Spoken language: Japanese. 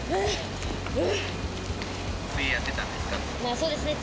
そうですね。